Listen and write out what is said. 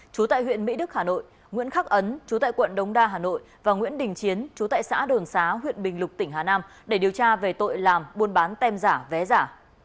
chú tại huyện mỹ đức hà nội nguyễn khắc ấn chú tại quận đông đa hà nội và nguyễn đình chiến chú tại xã đường xá huyện bình lục tỉnh hà nam để điều tra về tội làm buôn bán tem giả vé giả